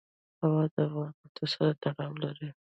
هوا د افغان کلتور سره تړاو لري.